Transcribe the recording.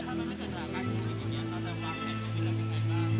เราจะวางแผนชีวิตเราเป็นไงบ้าง